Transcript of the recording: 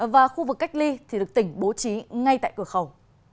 và khu vực cách ly thì được tỉnh bố trí ngay tại cửa khẩu